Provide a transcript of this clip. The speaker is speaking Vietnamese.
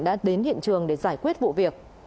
đã đến hiện trường để giải quyết vụ việc